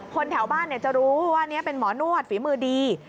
แถวบ้านจะรู้ว่านี้เป็นหมอนวดฝีมือดี